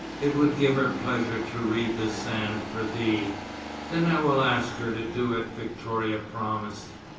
It would give her pleasure to read the sand for thee." "Then I will ask her to do it," Victoria promised.